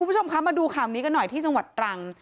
คุณผู้ชมคะมาดูข่าวนี้กันหน่อยที่จังหวัดตรัง